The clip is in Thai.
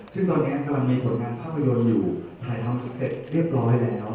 ซึ่งตอนนี้กำลังมีผลงานภาพยนตร์อยู่ถ่ายทำเสร็จเรียบร้อยแล้ว